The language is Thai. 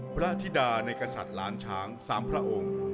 พระธิดาในกษัตริย์ล้านช้าง๓พระองค์